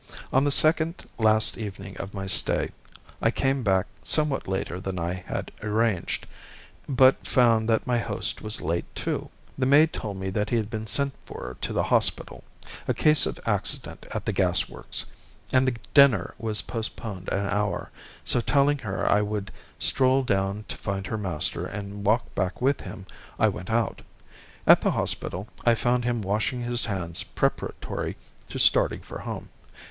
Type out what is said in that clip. On the second last evening of my stay I came back somewhat later than I had arranged, but found that my host was late too. The maid told me that he had been sent for to the hospital—a case of accident at the gas works, and the dinner was postponed an hour; so telling her I would stroll down to find her master and walk back with him, I went out. At the hospital I found him washing his hands preparatory to starting for home.